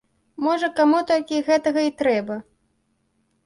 Можа, каму толькі гэтага і трэба.